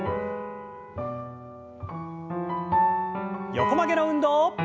横曲げの運動。